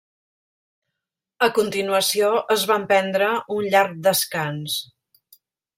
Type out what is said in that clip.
A continuació es van prendre un llarg descans.